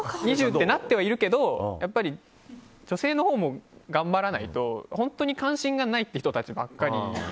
２０ってなってはいるけどやっぱり女性のほうも頑張らないと本当に関心がないっていう人たちばかり。